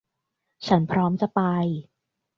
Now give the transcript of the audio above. ฉันพร้อมจะไป